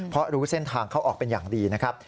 เพราะรู้เส้นทางเข้าออกเป็นอย่างดีนะครับ